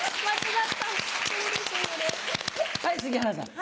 はい杉原さん。